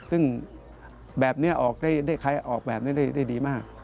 ซึ่งแบบนี้ออกแบบได้ได้ดีมาก